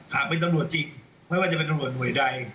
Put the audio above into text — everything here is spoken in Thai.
หากเป็นตำรวจจริงไม่ว่าจะเป็นตำรวจหน่วยใด